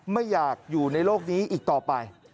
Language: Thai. ไม่อยากอยู่ในโลกนี้อีกต่อไป